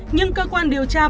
nhưng cơ quan điều tra công an